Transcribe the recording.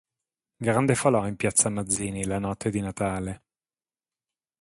Grande falò in Piazza Mazzini la Notte di Natale.